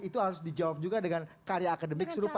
itu harus dijawab juga dengan karya akademik serupa